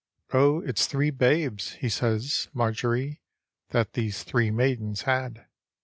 " O it's three babes," he says, " Marjorie, That these three maidens had."